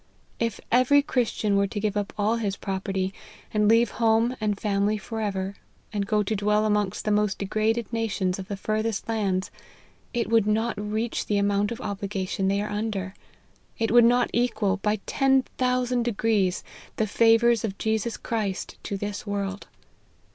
If every Christian were to give up all his property, and leave home and family for ever, and go to dwell amongst the most degraded nations of the furthest lands, it would not reach the amount of obligation they are under ; it would not equal, by ten thou sand degrees, the favours of Jesus Christ to this world.